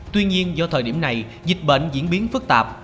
tuy nhiên do thời điểm này dịch bệnh diễn biến phức tạp